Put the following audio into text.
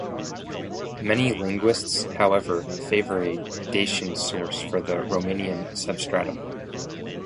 Many linguists however favor a Dacian source for the Romanian substratum.